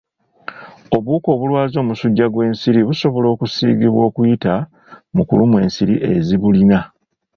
Obuwuka obulwaza omusujja gw'ensiri busobola okusiigibwa okuyita mu kulumwa ensiri ezibulina.